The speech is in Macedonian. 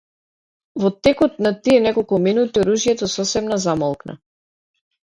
Во текот на тие неколку минути, оружјето сосема замолкна.